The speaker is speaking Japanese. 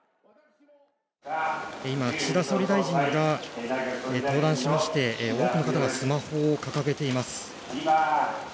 今、岸田総理大臣が登壇しまして多くの方がスマホを掲げています。